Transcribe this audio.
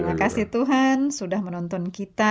terima kasih tuhan sudah menonton kita